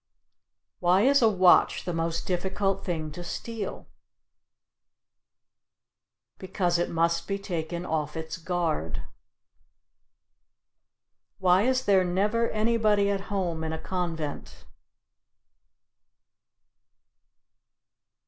Why is a watch the most difficult thing to steal? Because it must be taken off its guard. Why is there never anybody at home in a convent?